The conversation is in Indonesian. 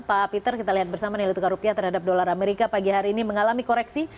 pak peter kita lihat bersama nilai tukar rupiah terhadap dolar amerika pagi hari ini mengalami koreksi